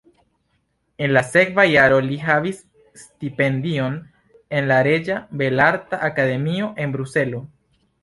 En la sekva jaro li havis stipendion en la reĝa belarta akademio en Bruselo.